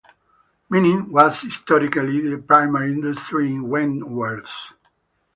Mining was historically the primary industry in Wentworth.